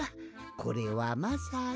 これはまさに」。